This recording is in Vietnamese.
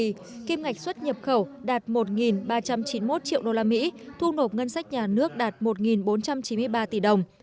từ đầu năm đến nay kim ngạch xuất nhập khẩu đạt một ba trăm chín mươi một triệu usd thu nộp ngân sách nhà nước đạt một bốn trăm chín mươi ba tỷ đồng